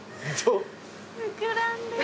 膨らんでる。